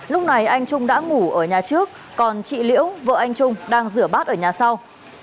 lúc này anh trung đã ngủ ở nhà trước còn chị liễu vợ anh trung đang rửa bát ở nhà sau